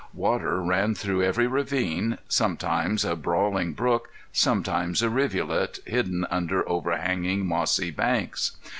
Water ran through every ravine, sometimes a brawling brook, sometimes a rivulet hidden under overhanging mossy banks.